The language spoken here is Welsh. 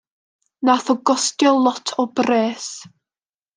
Nath o gostio lot o bres.